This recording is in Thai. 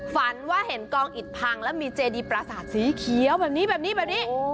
ฝันว่าเห็นกองอิดพังแล้วมีเจดีปราสาทสีเขียวแบบนี้แบบนี้แบบนี้